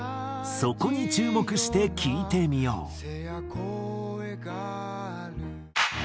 そこに注目して聴いてみよう。